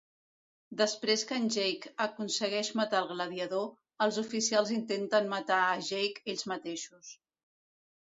Després que en Jake aconsegueix matar el gladiador, els oficials intenten matar a Jake ells mateixos.